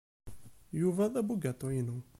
Yuba d abugaṭu-inu.